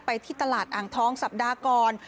ที่ตลาดอ่างทองสัปดาห์ก่อน